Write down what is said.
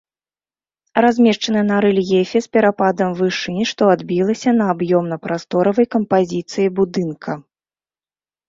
Размешчаны на рэльефе з перападам вышынь, што адбілася на аб'ёмна-прасторавай кампазіцыі будынка.